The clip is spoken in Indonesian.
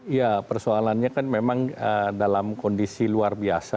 ya persoalannya kan memang dalam kondisi luar biasa